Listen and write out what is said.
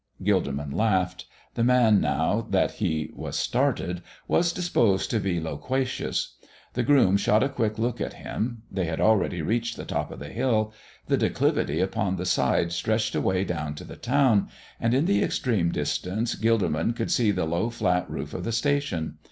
Gilderman laughed. The man, now that he was started, was disposed to be loquacious. The groom shot a quick look at him. They had already reached the top of the hill. The declivity upon the side stretched away down to the town, and in the extreme distance Gilderman could see the low, flat roof of the station.